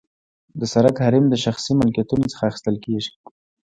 د سرک حریم د شخصي ملکیتونو څخه اخیستل کیږي